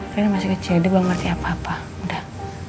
kalian masih kecil dia belum ngerti apa apa udah